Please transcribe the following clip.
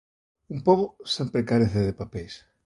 Un pobo sempre carece de papeis.